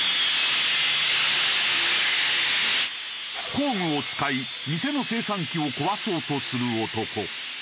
工具を使い店の精算機を壊そうとする男。